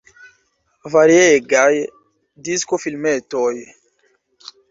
Variegaj disko-filmetoj.